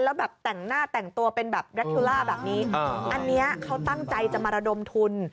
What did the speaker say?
แล้วแบบแต่งหน้าแต่งตัวเป็นแบบแรคทีล่าแบบนี้อันนี้เขาตั้งใจจะมาระดมทุน